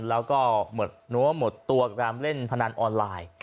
แล้วก็เหง๒๐๒๔หมดตัวการเล่นพนันออนไลน์